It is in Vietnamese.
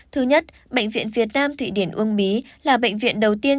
thứ nhất bệnh viện việt nam thụy điển uông bí là bệnh viện đầu tiên